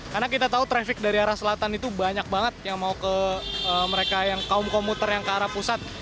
karena kita tahu traffic dari arah selatan itu banyak banget yang mau ke mereka yang kaum komuter yang ke arah pusat